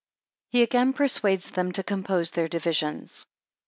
He again persuades them to compose their divisions.